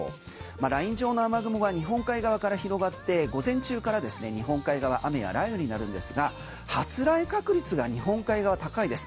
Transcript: ライン状の雨雲が日本海側から広がって午前中から日本海側は雨や雷雨になるんですが発雷確率が日本海側、高いです。